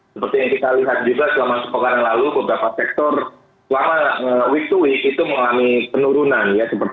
seperti yang kita lihat juga selama sepekan yang lalu beberapa sektor selama week to week itu mengalami penurunan